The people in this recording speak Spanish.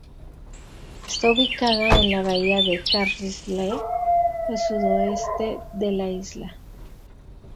Está ubicada en la bahía de Carlisle, al sudoeste de la isla.